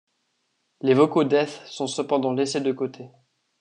Les vocaux death sont cependant laissés de côté.